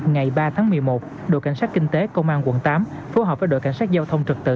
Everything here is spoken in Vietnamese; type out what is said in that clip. ngày ba tháng một mươi một đội cảnh sát kinh tế công an quận tám phối hợp với đội cảnh sát giao thông trật tự